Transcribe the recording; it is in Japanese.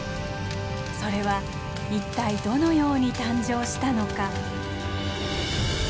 それは一体どのように誕生したのか。